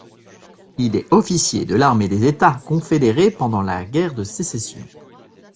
Il est officier de l'armée des États confédérés pendant la guerre de Sécession.